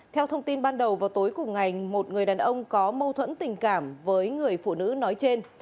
theo thông tin ban đầu vào tối cùng ngày một người đàn ông có mâu thuẫn tình cảm với người phụ nữ nói trên